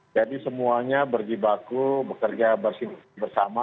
jadi semuanya bergibaku bekerja bersama